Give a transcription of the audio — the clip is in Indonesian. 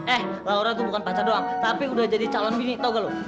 eh laura tuh bukan pacar doang tapi udah jadi calon bini tau gak lo